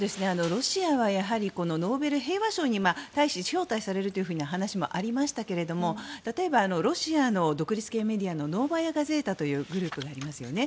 ロシアはやはりノーベル平和賞に招待されるという話もありましたが例えばドイツの独立系メディアのノーバヤ・ガゼータというグループがありますよね。